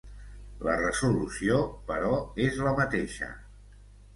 La resolució, però, és la mateixa.